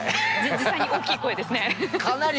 実際に大きい声ですね。